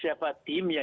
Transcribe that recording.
siapa tim yang menilai